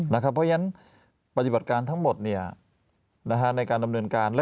เพราะฉะนั้นปฏิบัติการทั้งหมดในการดำเนินการ